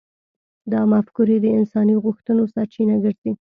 دا مفکورې د انساني غوښتنو سرچینه ګرځي.